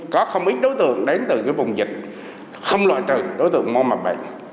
có không ít đối tượng đến từ cái vùng dịch không loại trừ đối tượng mong mập bệnh